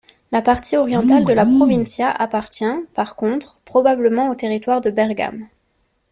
La partie orientale de la Provincia appartient, par contre, probablement au territoire de Bergame.